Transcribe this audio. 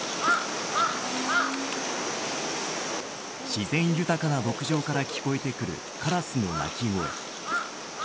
自然豊かな牧場から聞こえてくるカラスの鳴き声。